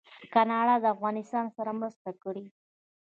کاناډا د افغانستان سره مرسته کړې.